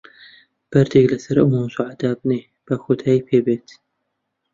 بەردێک لەسەر ئەو مەوزوعە دابنێ، با کۆتایی پێ بێت.